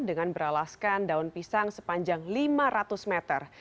dengan beralaskan daun pisang sepanjang lima ratus meter